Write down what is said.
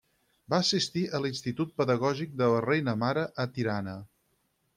Va assistir a l'Institut Pedagògic de la Reina Mare a Tirana.